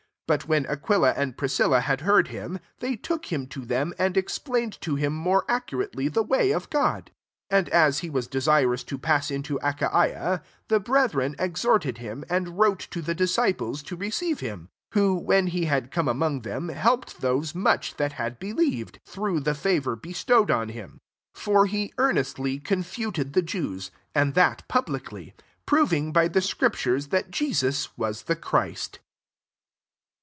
But when Aquila and Priscilla bad heard him, they took him to them, and explained to him more accurately the way [<^ God}, 27 And as he was de sirous to pass into Achaia, the brethren exhorted him, and wrote to the disciples to receive him : who, when he had come among them, helped those much that had believed, through the favour bestowed on him. 28 For he earnestly confuted the Jewii and (hat publicly ; proving by the scriptures that Jesus was the Christ.